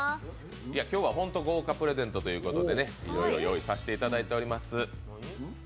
今日はほんと豪華プレゼントということで、いろいろ用意させていただいています。